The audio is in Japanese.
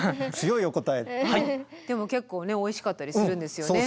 でも結構ねおいしかったりするんですよね。